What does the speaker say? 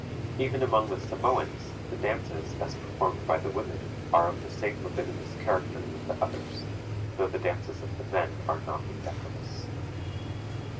Even among the Samoans, the dances, as performed by the women, are of the same libidinous character with the others, though the dances of the men are not indecorous.